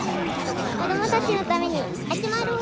子どもたちのために集まろう！